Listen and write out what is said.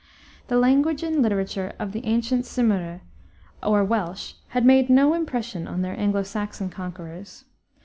The language and literature of the ancient Cymry or Welsh had made no impression on their Anglo Saxon conquerors.